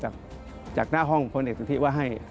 ผมได้รับรับโทรศัพท์จากหน้าห้องพเอกสินทรีย์ว่าให้